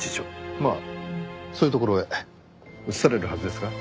まあそういう所へ移されるはずですが。